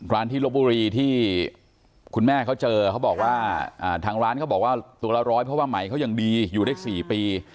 ร้านที่ลบบุรีที่คุณแม่เขาเจอเขาบอกว่าทางร้านเขาบอกว่าตัวละร้อยเพราะว่าไหมเขายังดีอยู่ได้๔ปี